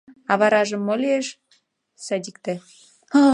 А варажым мо лиеш — садикте.